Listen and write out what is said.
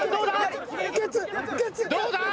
どうだ？